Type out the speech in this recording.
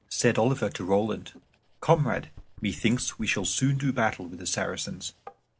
Said Oliver to Roland, "Comrade, methinks we shall soon do battle with the Saracens."